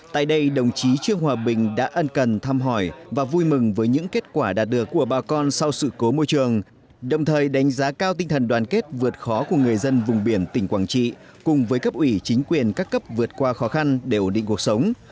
tại đây đồng chí trương hòa bình đã ân cần thăm hỏi và vui mừng với những kết quả đạt được của bà con sau sự cố môi trường đồng thời đánh giá cao tinh thần đoàn kết vượt khó của người dân vùng biển tỉnh quảng trị cùng với cấp ủy chính quyền các cấp vượt qua khó khăn để ổn định cuộc sống